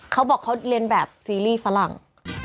เขาบอกเขาเรียนแบบซีรีส์ฝรั่ง